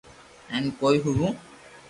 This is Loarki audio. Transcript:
ھون ڪوئي ھووُ